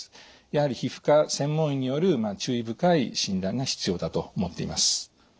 やはり皮膚科専門医による注意深い診断が必要だと思っています。